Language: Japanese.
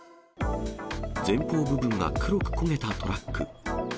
前方部分が黒く焦げたトラック。